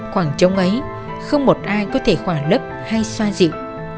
khoảng trống ấy không một ai có thể khỏa lấp hay xoa dịu